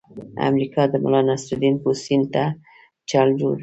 امریکا د ملانصرالدین پوستین ته چل جوړ کړی.